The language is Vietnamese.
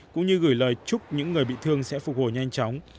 cũng như gửi lời chúc những người bị thương sẽ phục hồi nhanh chóng